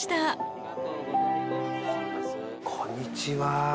こんにちは。